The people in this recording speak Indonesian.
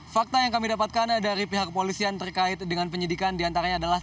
fakta yang kami dapatkan dari pihak polisian terkait dengan penyidikan diantaranya adalah